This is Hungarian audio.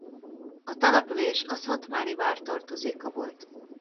A település a Szatmári vár tartozéka volt.